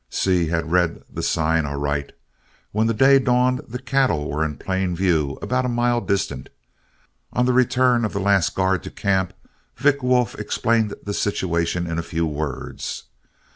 Seay had read the sign aright. When day dawned the cattle were in plain view about a mile distant. On the return of the last guard to camp, Vick Wolf explained the situation in a few words.